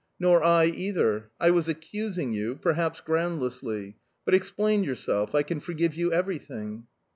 "Nor I either... I was accusing you... perhaps groundlessly. But explain yourself, I can forgive you everything"...